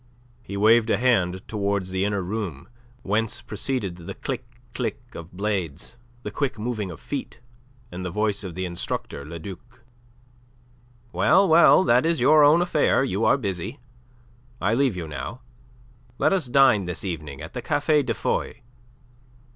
He waved a hand towards the inner room, whence proceeded the click click of blades, the quick moving of feet, and the voice of the instructor, Le Duc. "Well, well, that is your own affair. You are busy. I leave you now. Let us dine this evening at the Café de Foy.